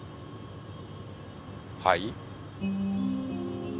はい？